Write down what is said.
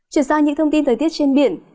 chuyển sang những thông tin thời tiết trên biển